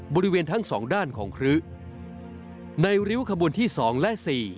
บริเวณทั้งสองด้านของครึในริวขบุลที่สองและสี่